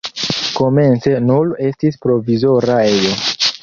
Komence nur estis provizora ejo.